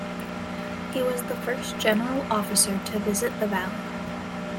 He was the first General officer to visit the valley.